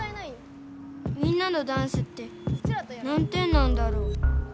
みんなのダンスって何点なんだろ？